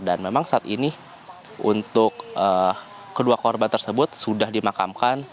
dan memang saat ini untuk kedua korban tersebut sudah dimakan